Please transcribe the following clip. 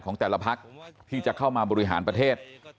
ของแต่ละพักที่จะเข้ามาบริหารประเทศ